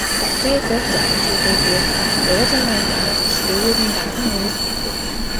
Зовсны эцэст жаргана шүү дээ гээд уужим амьсгаа автал дээгүүр нь бараан үүл бүрхэв.